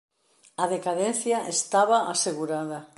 A decadencia estaba asegurada.